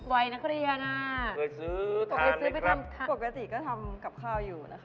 อืมเคยซื้อทานไหมครับปกติก็ทำกับข้าวอยู่นะครับ